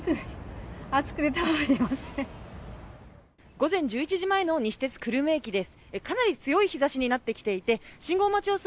午前１１時前の西鉄久留米駅です。